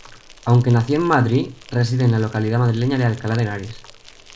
Aunque nació en Madrid, reside en la localidad madrileña de Alcalá de Henares.